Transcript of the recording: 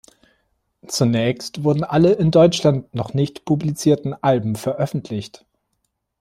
Zunächst wurden alle in Deutschland noch nicht publizierten Alben veröffentlicht.